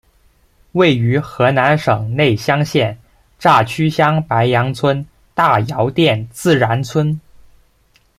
位于河南省内乡县乍曲乡白杨村大窑店自然村。